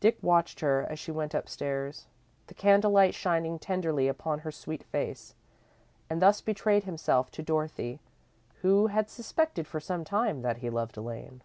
Dick watched her as she went upstairs, the candlelight shining tenderly upon her sweet face, and thus betrayed himself to Dorothy, who had suspected for some time that he loved Elaine.